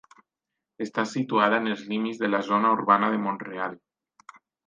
Està situada en els límits de la zona urbana de Mont-real.